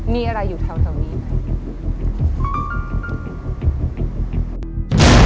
มีอะไรอยู่แถวนี้ไหม